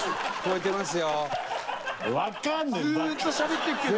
ずーっとしゃべってるけど。